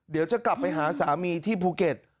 เดี๋ยวจะกลับไปหาสามีที่ภูเก็ต